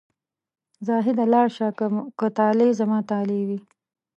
زاهده لاړ شه که طالع زما طالع وي.